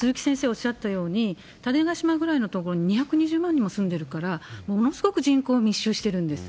おっしゃったように、種子島ぐらいの所に２２０万人も住んでるから、ものすごく人口が密集してるんです。